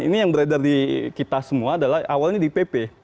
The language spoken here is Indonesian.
ini yang beredar di kita semua adalah awalnya di pp